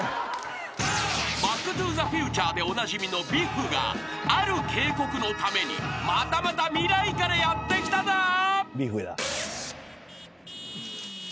［『バック・トゥ・ザ・フューチャー』でおなじみのビフがある警告のためにまたまた未来からやって来たぞ］